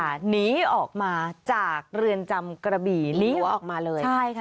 หนีออกมาจากเรือนจำกระบี่หนีหัวออกมาเลยใช่ค่ะ